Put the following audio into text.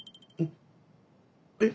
えっ？